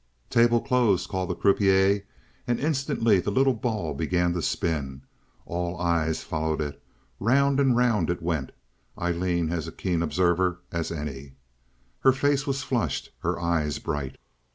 "Table closed!" called the croupier, and instantly the little ball began to spin. All eyes followed it. Round and round it went—Aileen as keen an observer as any. Her face was flushed, her eyes bright.